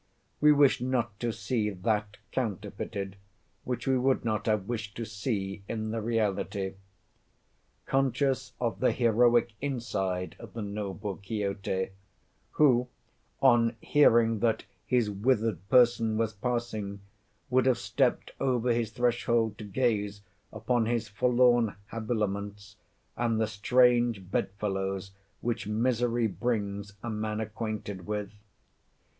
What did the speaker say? We wish not to see that counterfeited, which we would not have wished to see in the reality. Conscious of the heroic inside of the noble Quixote, who, on hearing that his withered person was passing, would have stepped over his threshold to gaze upon his forlorn habiliments, and the "strange bed fellows which misery brings a man acquainted with?"